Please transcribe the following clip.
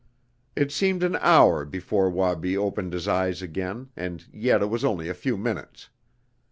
It seemed an hour before Wabi opened his eyes again, and yet it was only a few minutes.